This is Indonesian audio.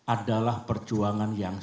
adalah perjuangan yang